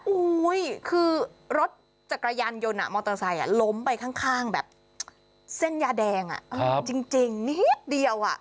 อุ้ยคือรถจักรยานยนต์มอเตอร์ไซค์ล้มไปข้างแบบเส้นยาแดงจริงนิดเดียว